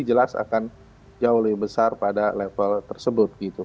jelas akan jauh lebih besar pada level tersebut gitu